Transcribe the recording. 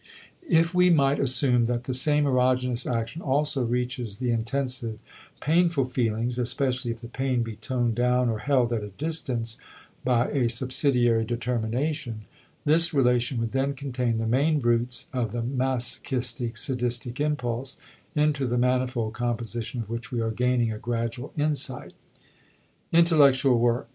If we might assume that the same erogenous action also reaches the intensive painful feelings, especially if the pain be toned down or held at a distance by a subsidiary determination, this relation would then contain the main roots of the masochistic sadistic impulse, into the manifold composition of which we are gaining a gradual insight. *Intellectual Work.